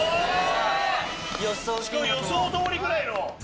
しかも予想通りぐらいの。